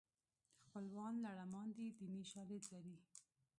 خپلوان لړمان دي دیني شالید لري